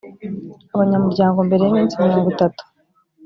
abanyamuryango mbere y iminsi mirongo itatu